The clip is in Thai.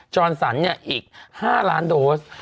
จรสันอีก๕ล้านโดส